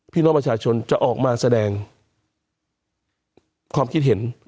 พี่น้องประชาชนจะออกมาแสดงความคิดเห็น